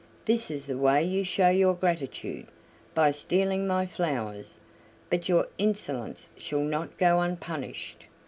This is the way you show your gratitude, by stealing my flowers! But your insolence shall not go unpunished."